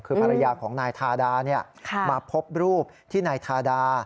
คือภรรยาของนายทาดามาพบรูปที่นายทาดา